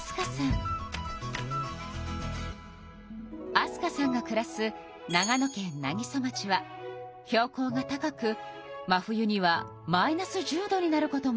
明日香さんがくらす長野県南木曽町は標高が高く真冬にはマイナス１０度になることもあるそうよ。